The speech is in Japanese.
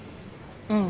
うん。